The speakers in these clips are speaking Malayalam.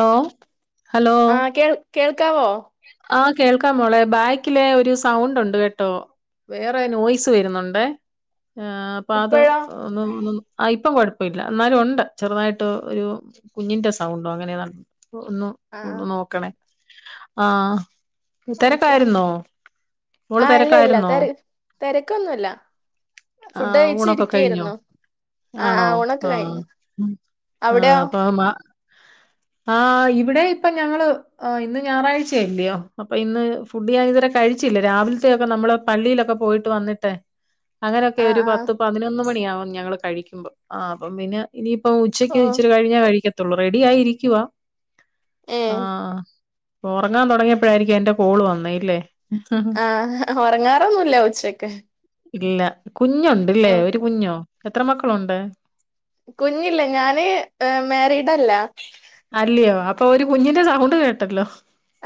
ഹലോ ഹലോ ആഹ് കേൾ കേൾക്കാവോ ആഹ് കേൾക്കാം മോളെ ബാക്കില് ഒരു സൗണ്ട് ഉണ്ട് കേട്ടോ വേറെ നോയ്സ് വരുന്നുണ്ടേ ഏഹ് അപ്പൊ അത് ഇപ്പഴോ ഒന്നും ഒന്നും ആഹ് ഇപ്പം കൊഴപ്പില്ല എന്നാലും ഒണ്ട് ചെറുതായിട്ട് ഒരു കുഞ്ഞിന്റെ സൗണ്ടോ അങ്ങനെ ഏതാണ്ട് ഒന്ന് ആഹ് ആഹ് ഒന്നു നോക്കണേ ആഹ് ഓക്കെ തെരക്കായിരുന്നോ മോള് ആഹ് ഇല്ല ഇല്ല തെരക്കായിരുന്നോ തെര തെരക്കൊന്നുല്ല ഫുഡ് ആഹ് കഴിച്ച് ഊണൊക്കെ കഴിഞ്ഞോ ഇരിക്കായിരുന്നു ആഹ് ആണോ ആഹ് ഊണൊക്കെ ആഹ് കഴിഞ്ഞു ആഹ് അവിടെയോ അപ്പൊ മാ ആഹ് ഇവിടെ ഇപ്പ ഞങ്ങള് ഇന്ന് ഞായറാ ച്ചല്ലിയോ അപ്പൊ ഇന്ന് ഫുഡ് ഞാൻ ഇതുവരെ കഴിച്ചില്ലാ രാവിലത്തെയൊക്കെ നമ്മള് പള്ളിയിലൊക്കെ പോയിട്ട് വന്നിട്ടേ അങ്ങനെയൊക്കെ ആഹ് ഒരു ആഹ് പത്ത് പതിനൊന്ന് മണിയാവും ഞങ്ങള് കഴിക്കുമ്പൊ ആഹ് അപ്പം പിന്നെ ഇനിയിപ്പം ഉച്ചക്ക് ഓഹ് ഇച്ചിരി കഴിഞ്ഞാ കഴിക്കത്തുള്ളൂ റെഡി ആയിരിക്കുവാ ഏഹ് ആഹ് ഒറങ്ങാൻ തൊടങ്ങിയപ്പോഴായിരിക്കും എന്റെ കോള് വന്നേല്ലേ ആഹ് ഒറങ്ങാറൊന്നുല്ല ഉച്ചക്ക് ഇല്ല കുഞ്ഞുണ്ടല്ലേ ഉം ഒരു കുഞ്ഞോ എത്ര മക്കളൊണ്ട് കുഞ്ഞില്ല ഞാന് മാരീഡല്ല അല്ലയോ അപ്പൊ ഒരു കുഞ്ഞിന്റെ സൗണ്ട് കേട്ടല്ലോ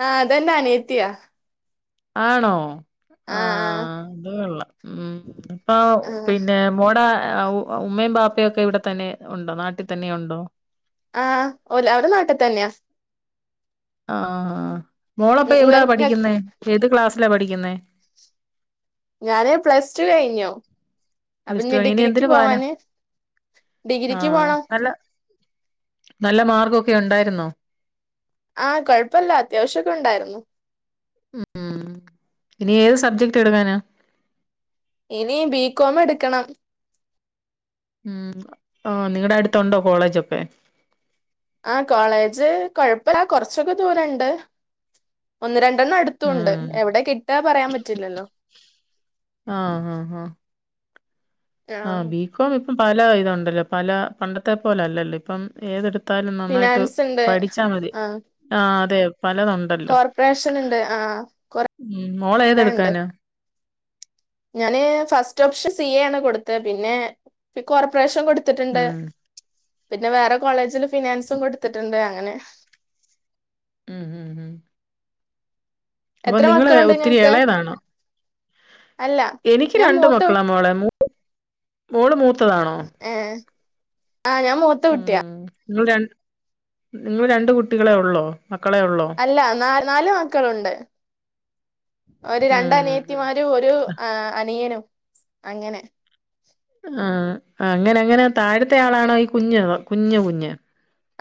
ആഹ് അതെന്റെ അനിയത്തിയാ ആണോ ആഹ് അത് കൊള്ളാം ഉം അപ്പൊ ആഹ് പിന്നെ മോടെ ഏഹ് ഉമ്മയും ബാപ്പയൊക്കെ ഇവിടെ തന്നെ ഒണ്ടോ നാട്ടി തന്നെ ഒണ്ടോ ആഹ് ഓല് അവര് നാട്ടി തന്നെയാ ആഹ് മോളപ്പോ ഇങ്ങ എവിടാ ഇങ്ങ പഠിക്കുന്നെ ഏത് ക്ലാസ്സിലാ പഠിക്കുന്നേ ഞാന് പ്ലസ് ടു കഴിഞ്ഞു അപ്പൊ പ്ലസ് ടു ഇനി കഴിഞ്ഞ് ഡിഗ്രിക്ക് എന്തിന് പോവാനാ? പോവാന് ഡിഗ്രിക്ക് ആഹ് പോണം നല്ല നല്ല മാർക്കൊക്കെ ഒണ്ടായിരുന്നോ ആഹ് കൊഴപ്പല്ലാ അത്യാവശ്യൊക്കെ ഒണ്ടായിരുന്നു ഉം ഇനി ഏത് സബ്ജക്ട് എടുക്കാനാ ഇനീ ബികോം എടുക്കണം ഉം ഓഹ് നിങ്ങടെ അടുത്തുണ്ടോ കോളേജൊക്കെ ആഹ് കോളേജ് കൊഴപ്പില്ല കൊറച്ചൊക്കെ ദൂരൊണ്ട് ഒന്ന് രണ്ടെണ്ണം അടു ത്തുണ്ട് ഉം എവിടെ കിട്ടുകാ പറയാൻ പറ്റില്ലല്ലോ ആഹ് ആഹ് ആഹ് ആ ആഹ് ബികോം ഇപ്പം പല ഇതൊണ്ടല്ലോ പല പണ്ടത്തെ പോലെല്ലല്ലോ ഇപ്പം ഏതെടുത്താലും നന്നായിട്ട് ഫിനാൻസ് ഉണ്ട് പഠിച്ചാ മതി ആ ആഹ് അതെ പലതൊ ണ്ടല്ലോ കോർപ്പറേഷൻ ഉണ്ട് ആ ഉം കൊറേ ഉണ്ട് മോളേതെടുക്കാനാ ഞാന് ഫസ്റ്റ് ഓപ്ഷൻ സി എ ആണ് കൊടുത്തെ പിന്നെ കോർപ്പറേഷൻ കൊടുത്തിട്ടുണ്ട് ഉം പിന്നെ വേറെ കോളേജില് ഫിനാൻസും കൊടുത്തിട്ടുണ്ട് അങ്ങനെ ഉം ഉം ഉം അപ്പൊ എത്ര നിങ്ങള് മക്കളുണ്ട് ഒത്തിരി ഇങ്ങക്ക് എളേതാണോ അല്ല എനിക്ക് ഞാൻ രണ്ട മൂത്ത മക്കളാ മോളെ മോള് മൂത്തതാണോ ഏഹ് ആഹ് ഞാൻ മൂത്തകുട്ടിയാ ഉം നിങ്ങൾ രണ്ട് നിങ്ങൾ രണ്ട് കുട്ടികളെ ഒള്ളോ മക്കളെ ഒള്ളോ അല്ല നാ നാല് മക്കളുണ്ട് ഒരു ഉം രണ്ടനിയ ഉം ഉം ത്തിമാരും ഒരു അനിയനും അങ്ങനെ ആ അങ്ങനെ അങ്ങനെ താഴത്തെ ആളാണോ ഈ കുഞ്ഞ് കുഞ്ഞ് കുഞ്ഞ്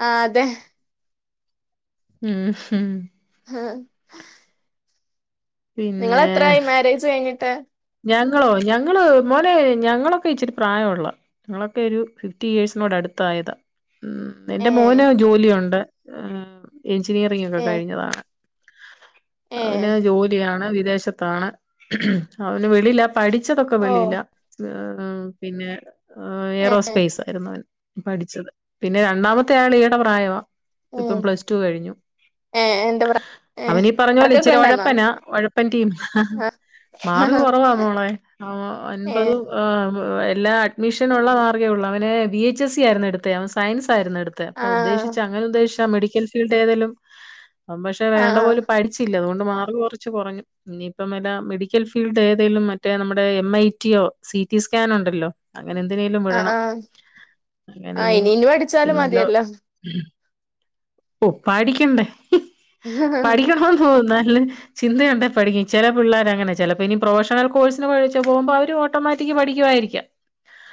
ആഹ് അതെ ഉം ഹും ആഹ പിന്നെ നിങ്ങളെത്രായി മാരേജ് കഴിഞ്ഞിട്ട് ഞങ്ങളോ ഞങ്ങള് മോനെ ഞങ്ങളൊക്കെ ഇച്ചിരി പ്രായഒള്ള ഞങ്ങളൊക്കെ ഒരു ഫിഫ്റ്റി ഇയേഴ്സിനോട് അടുത്തായതാ ഉം ഏ എന്റെ മോന് ജോലിയൊണ്ട് എഞ്ചിനീയറിങ്ങൊക്കെ ഏ കഴിഞ്ഞതാണ് ഏ അവന് ജോലിയാണ് വിദേശത്താണ് അവന് വെളീല പഠിച്ചതൊക്കെ ഓ വെളീല പിന്നെ എ ഏ ഏറോസ്പേസ് ആരുന്നു അവൻ പഠിച്ചത് പിന്നെ രണ്ടാമത്തെ ആൾ ഈയാടെ പ്രായവാ ഉം ഇപ്പം പ്ലസ് ടു കഴിഞ്ഞു ഏ എന്റെ പ്ര ഏ അവനീ പറഞ്ഞ പോലെ വർക്കൊക്കെ ഇച്ചിരി ഉണ്ടായിരുന്നോ ഒഴപ്പനാ ഒഴപ്പൻ ടീം ആ മാർഗ് കുറവാ മോളെ ആ ഏ അൻപത് ആ എല്ലാ അഡ്മിഷന് ഒള്ള മാർഗേ ഉള്ളൂ അവനെ വി എച്ച് സി ആയിരുന്നു എടുത്തെ അവ് സയൻസ് ആരുന്നെടുത്തെ ആ അപ്പ ഉദ്ദേശിച്ച അങ്ങനെ ഉദ്ദേശിച്ച മെഡിക്കൽ ഫീൽഡ് ഏതേലും അവൻ പക്ഷെ ആ വേണ്ട പോലു ആ പഠിച്ചില്ല അതുകൊണ്ട് മാർഗ് കൊറച്ച് കൊറഞ്ഞു ഇനിയിപ്പം വല്ല മെടി ക്കൽ ഫീൽഡ് ഏതേലും മറ്റേ നമ്മുടെ എം ഐ ടി യോ സി ടി സ്കാനോണ്ടല്ലോ അങ്ങനെ എന്തിനേലും ആ വിടണം അങ്ങനെ ആ ഇനി പഠിച്ചാലും പിന്നല്ലോ മതിയല്ലോ ഓ പഠിക്കണ്ടേ പഠിക്കണോ ഓ നല്ല ചിന്ത ഒണ്ടേ പഠിക്കും ചില പിള്ളേരങ്ങനെ ചിലപ്പോ ഇനി പ്രൊഫഷണൽ കോഴ്സിന് പഴിച്ച് പോകുമ്പോ അവര് ഓട്ടോമാറ്റിക്ക് പഠിക്കുമായിരിക്കാം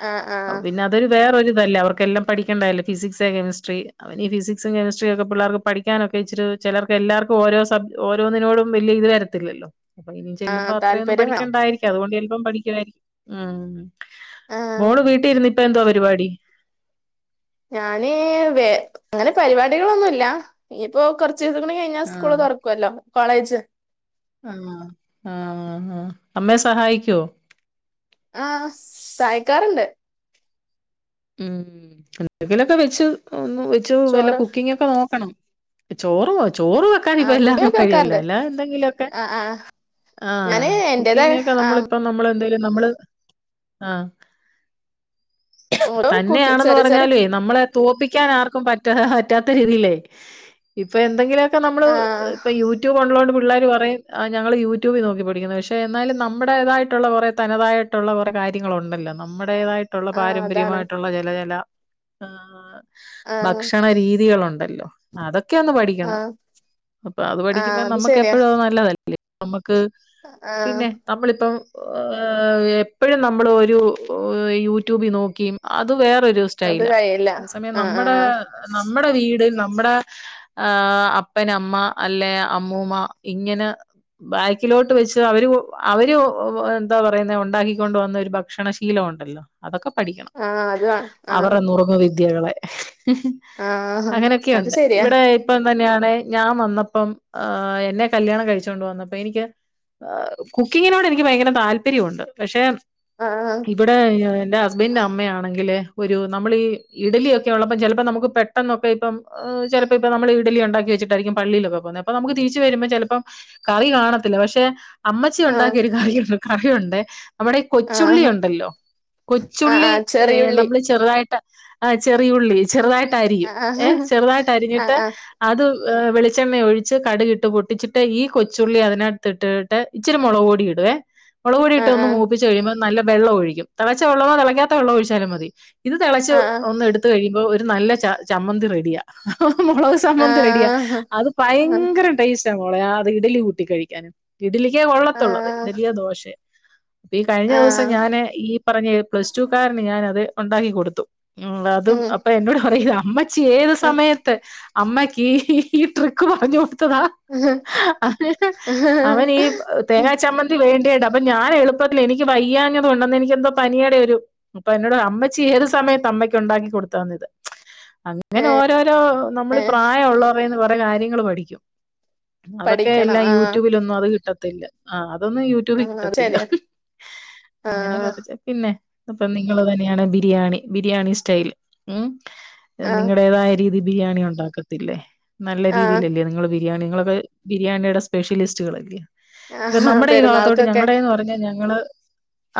ആ ആ അപ്പപ്പിന്നെ അതൊരു വേറെ ഒരു ഇതല്ലേ അവർക്കെല്ലാം പഠിക്കെണ്ടതല്ലേ ഫിസിക്സ് കെമിസ്ട്രി അവന് ഈ ഫിസിക്സും കെമസ്ട്രിയൊക്കെ പിള്ളേർക്ക്‌ പഠിക്കാനൊക്കെ ഇച്ചിരി ചെലർക്ക് എല്ലാർക്കും ഓരോ സബ് ഓ ഓരോന്നിനോടും വലിയ ഇത് വരത്തില്ലോ അപ്പൊ ഇനി ആ ചെല്ലുമ്പോ അത്രയൊന്നും താല്പര്യം വേണം പഠിക്കേണ്ടാരി ക്കും അതുകൊണ്ട് ചെല്പ്പം പഠിക്കുവാരിക്കും ഉം ആ മോള് വീട്ടിലിരുന്ന് ഇപ്പ എന്തുവാ പരിപാടി ഞാന് വെ അങ്ങനെ പരിപാടികളൊന്നുല്ല ഇനിയിപ്പോ കൊറച്ച് ദിവസങ്കൂടി കഴി ഞാ സ്കൂള് ആഹ് തൊറക്കുവല്ലോ കോളേജ് ആഹ് ആഹ് ഹാ അമ്മയെ സഹായിക്കുവോ ആഹ് സഹായിക്കാറുണ്ട് ഉം എന്തെങ്കിലൊക്കെ വെച്ച് ഒന്ന് വെച്ച് വല്ല ചോറ് കുക്കിങ്ങൊക്കെ നോക്കണം ചോറുവോ ചോറ് വെക്കാൻ ആ ഇപ്പ കുക്കിംഗ് എല്ലാരും ഒക്കെ കഴിയേല വെക്കാറുണ്ട് അല്ലാതെന്തെങ്കിലൊക്കെ ആ ആ ആഹ് ഞാന് എന്റേതായ കുക്കിങ്ങൊക്കെ ആ നമ്മളിപ്പ നമ്മള് എന്തേ ലും നമ്മള് ആഹ് ഓരോ കുക്കി തന്നെയാണെന്ന് ചെറിയ ചെറിയ പറഞ്ഞാലുവേ നമ്മളെ തോപ്പിക്കാൻ ആർക്കും പറ്റാ പറ്റാത്ത രീതീലെ ഇപ്പൊ എന്തെങ്കിലുമൊക്കെ നമ്മള് ആ ഇപ്പ യൂ ട്യൂബ് ഉള്ളോണ്ട് പിള്ളേർ പറയും ഞങ്ങൾ യൂട്യൂബിൽ നോക്കി പഠിക്കുന്ന് പക്ഷേ എന്നാലും നമ്മടേതായിട്ടുള്ള കൊറേ തനതായി് ട്ട്ള്ളകൊറെ കാര്യങ്ങളൾ ഉണ്ടല്ലോ നമ്മുടേതായിട്ടുള്ള ആ അതാണ് പാരമ്പര്യമായിട്ടുള്ള ചെലചെല ആഹ്- ആ ഭക്ഷണ രീതികളുണ്ടല്ലോ അതൊക്കെയ ഒന്ന് ആ പഠിക്കണം. അപ്പൊ അത് ആ പഠിക്കുമ്പ അത് നമ്മുക്ക് ശരിയാ എപ്പോഴും അത് നല്ലതല്ല്യോ നമ്മുക്ക് ആ പിന്നെ നമ്മളിപ്പം എപ്പോഴും നമ്മള് ഒരു യൂട്യൂബിൽ നോക്കി അത് വേറൊരു അത് സ്റ്റൈലാ കഴിയില്ല അതേ സമയം ആ ആ നമ്മുടെ നമ്മടെ വീട് നമ്മെടെ ആഹ് അപ്പനമ്മ അല്ലെ അമ്മൂമ്മ ഇങ്ങനെ ബാക്കിലോട്ട് വെച്ച് അവര് അവര് എന്താ പറയുന്ന ഉണ്ടാക്കിക്കൊണ്ട വന്ന ഒരു ഭക്ഷണശീലം ഉണ്ടല്ലോ. അതൊക്കെ പഠിക്കണം. ആഹ് അത്അ അവരെ നുറുങ്ങു വിദ്യകളെ. ആ അത് അങ്ങനൊക്കെയുണ്ട്. ശരിയാ ഇവിടെ ഇപ്പം തന്നെയാണേ ഞാൻ വന്നപ്പം അഹ് എന്നെ കല്യാണം കഴിച്ചോണ്ട് വന്നപ്പോ എനിക്ക് കുക്കിങ്ങിനോട് എനിക്ക് ഭയങ്കര താല്പര്യമുണ്ട് പക്ഷെ ആ ഇവിടെ യൊ എന്റെ ഹസ്ബൻഡന്റെ അമ്മയാ ങ്കില് ഒരു നമ്മൾ ഈ ഇഡലിക്കെ ഉള്ളപ്പ ചെലപ്പോ നമുക്ക് പെട്ടെന്നൊക്കെ ഇപ്പം ചലപ്പോ ഇപ്പം നമ്മള് ഇഡലിണ്ടക്കി വെച്ചിട്ടരിക്കും പള്ളിയിലൊക്കെ പോന്നെ അപ്പ നമക്ക് തിരിച്ച വരുമ്പോ ചെലപ്പം കറി കാണത്തില്ല പക്ഷെ അമ്മച്ചി ആ ഉണ്ടാക്കിയ ഒരു കറിയുണ്ട് കറിയൊണ്ടെ- നമ്മടെ ആ കൊച്ചുള്ളി ഒണ്ടല്ലോ ആ ആ കൊച്ചുള്ളി എ ചെറിയുള്ളി നമ്മള് ചെറുതായിട്ട് അ ചെറിയുള്ളി ചെറുതായിട്ട് ആ അരിയും ആ ഏഹ് ചെറുതായിട്ട് ആ അരിഞ്ഞിട്ട് ആ അത് വെളിച്ചെണ്ണയ ഒഴിച്ച് കടുകിട്ട് പൊട്ടിച്ചിട്ട് ഈ കൊച്ചുള്ളി അതിനത്ത്ട്ടിട്ട്. ഇച്ചിരി മൊളൊടിയിടുവേ- ആ ആ മൊളൊടിട്ടൊന്ന് മൂപ്പിച്ച കഴിയുമോ നല്ല വെള്ള ഒഴിക്കും. തിളച്ച വെള്ളമോതിള ക്കാത്ത വെള്ളം ഒഴിച്ചാലും മതി. ഇത് തെളച്ച് ആ ആ ഒന്ന് എടുത്ത കഴിയുമ്പോ ഒരു നല്ല ച ചമ്മന്തി റെഡിയ മൊളവ് ചമ്മന്തി റെഡിയാ. അത് ഭയങ്കര ടേസ്റ്റാ മോളെ അത് ഇഡലി കൂട്ടി കഴിക്കാൻ. ഇഡലിക്കേ ആ കൊള്ളത്തുള്ളത് ഇഡലിയെ ദോശയെ? ഈ കഴിഞ്ഞ ദിവസം ആ ഞാന് ഈ പറഞ്ഞ പ്ലസ് ടു കാരന് ഞാന അത് ഒണ്ടാക്കി കൊടുത്തു. ഉം അതും അപ്പൊ എന്നോട് പറയത് അമ്മച്ചി ഏത് സമയത്ത് അമ്മക്ക് ഈ ട്രിക്ക് പറഞ്ഞ കൊടു ത്തതാ. അവന ഈ തേങ്ങാ ചമ്മന്തി വേണ്ടിയ ഡ അപ്പൊ ഞാൻ എളുപ്പത്തില് എനിക്ക് വയ്യാഞ്ഞതു ഉണ്ടെന്ന് എനിക്ക് എന്തോ പനിയുടെ ഒരു അപ്പൊ എന്നോട് അമ്മച്ചീ ഏത് സമയത്ത് അമ്മയ്ക്ക് ഒണ്ടാക്കി കൊടുത്തതി ഇത് അങ് അങ്ങനെ ഓരോരോ നമ്മള് പ്രായം ഒള്ളറയ്യ്ന്ന് കൊറെ കാര്യങ്ങള് പഠിക്കും. അതൊക്കെ പഠിക്കണം എല്ലാം ആ യൂട്യൂബിലൊന്നും അത് കിട്ടത്തില്ല അഹ് അതൊന്നും യൂ ആ റ്റുബി അത് കിട്ടത്തില്ല. ശരിയാ ആ അങ്ങനെ കൊറച്ച് പിന്നെ ഇപ്പം നിങ്ങള് തന്നെയാണ് ബിരിയാണി ബിരിയാണി സ്റ്റൈൽ ഉം ആ നിങ്ങളടേതായ രീതി ബിരിയാണി ഉണ്ടാക്കത്തില്ലേ നല്ല ആ രീതിയിലല്ലേ നിങ്ങള് ബിരിയാണി നിങ്ങളത് ബിരിയാണിയുടെ സ്പെഷ്യലിസ്റ്റുകളല്ലേ. ഇപ്പൊ ആഹാ നമ്മുടെ ഈ ഭാഗത്തോട്ട് പെരുന്നാൾക്കൊക്കെ ഞങ്ങളുടെന്ന് പറഞ്ഞാ ഞങ്ങള്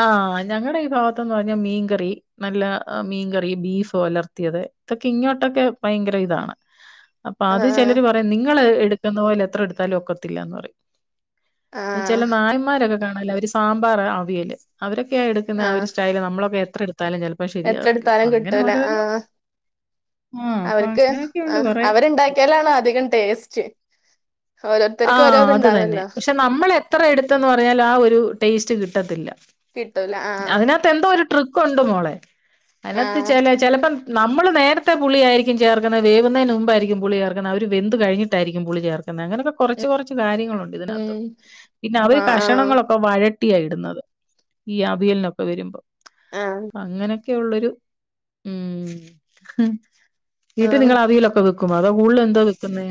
ആഹ് ഞങ്ങടെ ഈ ഭാഗത്തന്ന് പറഞ്ഞ മീൻകറി നല്ല മീൻകറി ബീഫോ ഒലർത്തിയത് ഇതൊക്കെ ഇങ്ങോട്ടൊക്കെ ഭയങ്കര ഇതാണ്. അപ്പൊ അത് ആഹ് ചെലര് പറയാം നിങ്ങള് എടുക്കുന്ന പോലെ എത്ര എടുത്താലും ഒക്കത്തില്ലന്ന് പറയും. എന്ന ആഹ് ചില നായമാരൊക്കെ കാണാ അവര് സാമ്പാർ അവിയല് അവരക്കെയ എടുക്കുന്ന ഒരു ആഹ് നമ്മളൊക്ക എത്ര എടുത്താലും ചെല എത്ര എടുത്താലും കിട്ടൂല ആഹ് ആ അപ്പൊ അവർക്ക് അങ്ങനെയൊക്കെയുണ്ട് ആഹ് കൊറേ. അവരുണ്ടാക്കി ക്യാലാണ് അധികം ടേസ്റ്റ്. ഓരോരുത്തർക്ക് ഓരോ ആഹ് അത് തന്നെ. ഇത്ണ്ടാവല്ലോ പക്ഷെ നമ്മൾ എത്ര എടുത്തെന്ന് പറഞ്ഞാലും ആ ഒരു ടേസ്റ്റ് കിട്ടത്തില്ല. കിട്ടൂല ആഹ്. ത്തെന്തോ ഒരു ട്രിക്കുണ്ട് മോളെ. അതിനകത്ത് ആഹ് ചെലെ ചെലപ്പം നമ്മള് നേരത്തെ പുളിയായിരിക്കും ചേർക്കുന്നെ വേവുന്നേന് മുമ്പായിരിക്കും പുളി ചേർക്ണ അവര് വെന്ത് കഴിഞ്ഞിട്ടായിരിക്കും പുളി ചേർ ക്ക്ന്നെ. അങ്ങനൊക്കെ കൊറച്ച് കൊറച്ച് കാര്യങ്ങളുണ്ട് ഉം ഇതിനകത്തൊക്കെ. പിന്നെ അവര് ആഹ് ആഹ് കഷണങ്ങളൊ ക്കെ വഴട്ടിയാ ഇടുന്നത് ഈ അവിയലിനൊക്കെ വരുമ്പം. ആഹ് അങ്ങനെ ക്കെ ഉള്ളൊരു, ഉം വീട്ടി ആഹ് നിങ്ങള് അവിയലൊക്കെ വെ ക്കും അതോ കൂടുതല് എന്തോ വെക്കുന്നേ.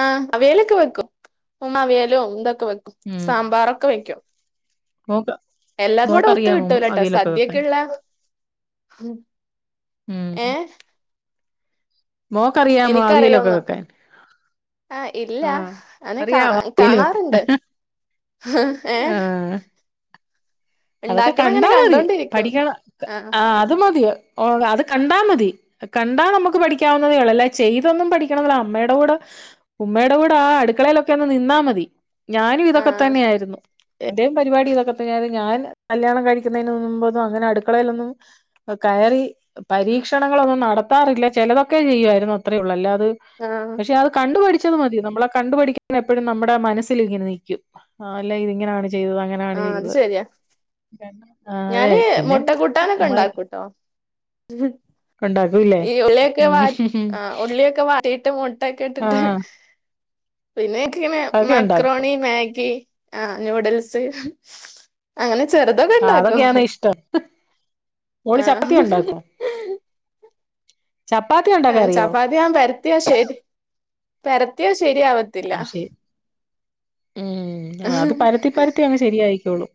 ആഹ് അവിയലൊക്കെ വെക്കും. ഉമ്മ അവിയലും ഇതൊക്കെ വെക്കും ഉം സാമ്പാറൊക്കെ വെക്ക്യും. മോക്ക് എല്ലാതും കൂടെ ഒത്ത് മോക്കറിയാമോ കിട്ടുലട്ടോ അവിയലൊക്കെ വെക്കാൻ സദ്യക്ക് ള്ളെ. ഉം. മോക്കറിയാമോ അവിയലൊക്കെ എനിക്കറിയോന്നോ വെക്കാൻ? ആഹ് ഇല്ല ആഹ് അങ്നെ കാ അറിയാവോ അവിയല് വെക്കാൻ കാണാറ്ണ്ട്. ഹഹ് ഏഹ് ആഹ് അതൊക്കെ ഇണ്ടാക്കണ കണ്ടാ അങ്ങനെ മതി കണ്ടോണ്ടിരിക്കും പഠിക്കണ ആഹ് അത് മതി ഓഹ് അത് കണ്ടാ മതി. കണ്ടാ നമുക്ക് പഠിക്കാവുന്നതേ ഒള്ള് അല്ലാതെ ചെയ്തൊന്നും പഠിക്കണം ന്നല്ല. അമ്മയുടെ കൂടെ ഉമ്മയുടെ കൂടെ ആ അടുക്കളയിലൊക്കെ ഒന്ന് നിന്നാ മതി. ഞാനും ഇതൊക്കെ ആഹ് തന്നെയായിരുന്നു. എന്റെയും പരിപാടി ഇതൊക്കെ തന്നെയായിരുന്നു ഞാൻ കല്യാണം കഴിക്ക്ന്നേന് മുമ്പൊന്നും അങ്ങനെ അടുക്കളയിലൊന്നും കയറി പരീക്ഷണങ്ങളൊന്നും നടത്താറില്ല ചെലതൊക്കെ ചെയ്യുവായിരുന്നു അത്രേ ഉള്ളൂ അല്ലാത് ആഹ് പക്ഷെ അത് കണ്ടു പഠിച്ചത് മതി നമ്മളാ കണ്ടു പഠിക്ക്ന്നെ എപ്പഴും നമ്മുടെ മനസ്സിൽ ഇങ്ങനെ നിക്കും. ആഹ് അല്ലാ ഇത് ഇങ്ങനാണ് ചെയ്തത് അങ്ങ ആഹ് അത് ശരിയാ. ആഹ് അതെ ഞാന് പിന്നെ മുട്ട കൂട്ടാനൊക്കെ ഉമ്മായി ഉണ്ടാക്കൂട്ടോ. ഉ ഉണ്ടാക്കൂല്ലേ ഈ ഉള്ളിയൊക്കെ വാ ഉം ആഹ് ഉള്ളിയൊക്കെ വാട്ടീട്ട് മുട്ടയൊക്കെ ഇട്ടിട്ട്. ആഹ് പിന്നെ ഇൻക്ക്ങ്ങനെ അതൊക്കെ ഉണ്ടാക്കും മാക്രോണി മാഗി ആഹ് ന്യൂഡിൽസ് അങ്ങനെ ചെറുതൊക്കെ ആഹ് ഇണ്ടാക്കും. അതൊക്കെയാണ് ഇഷ്ടം മോള് ചപ്പാത്തി ഉണ്ടാക്കും ചപ്പാത്തി ഏഹ് ഉണ്ടാക്കാൻ അറിയാവോ ചപ്പാത്തി ഞാൻ പരത്തിയാ ശരി പരത്തിയാ ശരിയാവത്തില്ല. ആഹ് ശരി ഉം അത് പരത്തി പരത്തി അങ്ങ് ശരിയായിക്കോള്ളൂ.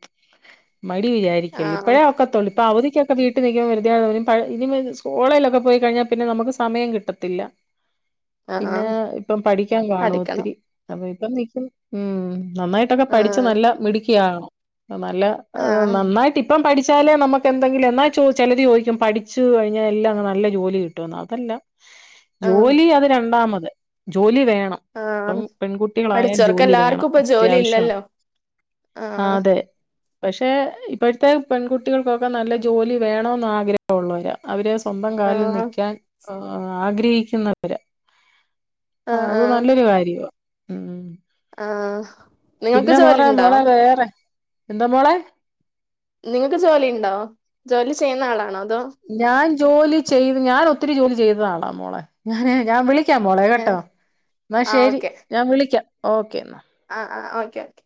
മടി വിചാ രിക്കല്ല്. ആഹ് ഇപ്പഴേ ഒക്കത്തുള്ളൂ ഇപ്പ അവധിക്കൊ ക്കെ വീട്ടി നിക്കുമ്പം വെറുതെ യാണോലും പഴം ഇനി [unintelligible] സ്‌കൂളേലൊക്കെ പോയി കഴിഞ്ഞാ പിന്നെ നമക്ക് സമയം കിട്ടത്തില്ല. [inaudible] പിന്നെ ആഹ് ഇപ്പം പഠിക്കാൻ കാണും പഠിക്കണം ഒത്തിരി. അപ്പൊ ഇപ്പം നിക്കും ഉം നന്നായി ട്ടൊക്കെ പഠിച്ച് ആഹ് നല്ല മിടുക്കിയാകണം. നല്ല ആഹ് നന്നായിട്ടി പ്പം പഠിച്ചാലേ നമുക്ക് എന്തങ്കിലും എന്നാ ചോ ചെലര് ചോദിക്കും പഠിച്ചു കഴിഞ്ഞാ എല്ലാം അങ്ങ് നല്ല ജോലി കിട്ടുമെന്ന് അതല്ല. ആഹ് ജോലി അത് രണ്ടാമത് ജോലി വേണം. ഇപ്പം ആഹ് പെൺകുട്ടികളായാൽ ജോ പഠിച്ചോർക്ക് ലി വേണം എല്ലാർക്കും ഇപ്പൊ ജോലി അത്യാവശ്യാണ് ഇല്ലല്ലോ ആഹ് അതെ. പക്ഷെ ഇപ്പഴ്ത്തെ പെൺകുട്ടികൾക്കൊക്കെ നല്ല ജോലി വേണോന്ന് ആഗ്ര ഹ ഉള്ളവരാ. അവര് സ്വന്തം കാലിൽ ആഹ് നിക്കാൻ ആഗ്രഹിക്കുന്നവരാ. ആഹ് അത് നല്ലൊരു കാര്യവാ ഉം. ആഹ് ആഹ്. നിങ്ങൾക്ക് പിന്നെ ജോലി മോറെ ഉണ്ടോ മോളെ വേറെ എന്താ മോളെ നിങ്ങൾക്ക് ജോലി ഇണ്ടോ ജോലി ചെയ്യുന്ന ആളാണോ അതോ. ഞാൻ ജോലി ചെയ്ത് ഞാൻ ഒത്തിരി ജോലി ചെയ്തതാണ് മോളെ. ഞാന് ഞാൻ വിളി വിളിക്കാം മോളെ കേട്ടോ ഏഹ് എന്നാ ആഹ് ശരി ഓക്കെ ഞാൻ വിളിക്കാം ഓക്കെ എന്നാ ആഹ് ആഹ് ഓക്കേ ഓക്കേ